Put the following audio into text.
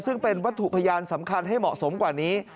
ซึ่งเป็นวัตถุพยานสำคัญให้เหมาะสมกว่านี้